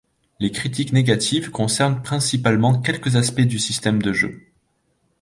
Les critiques négatives concernent principalement quelques aspects du système de jeu.